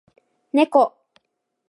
猫